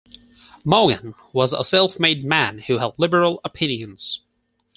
Morgan was a self-made man who had liberal opinions.